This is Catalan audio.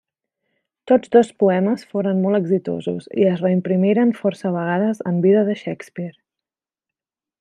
Tots dos poemes foren molt exitosos i es reimprimiren força vegades en vida de Shakespeare.